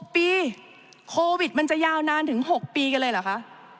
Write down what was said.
ปีโควิดมันจะยาวนานถึง๖ปีกันเลยเหรอคะ